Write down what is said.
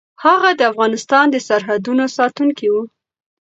هغه د افغانستان د سرحدونو ساتونکی و.